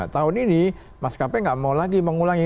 tahun ini maskapai tidak mau lagi mengulangi